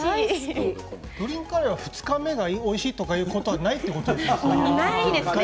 グリーンカレーは２日目がおいしいということがないということですか。